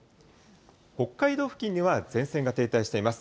北海道付近には前線が停滞しています。